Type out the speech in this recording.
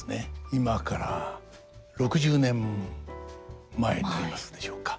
今から６０年前になりますでしょうか。